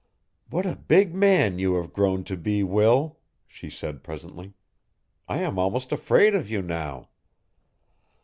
'What a big man you have grown to be Will,' she said presently. 'I am almost afraid of you now.